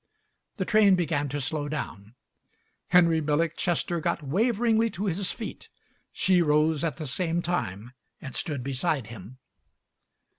The train began to slow down. Henry Millick Chester got waveringly to his feet; she rose at the same time and stood beside him.